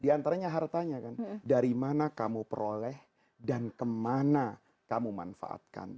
di antaranya hartanya kan dari mana kamu peroleh dan kemana kamu manfaatkan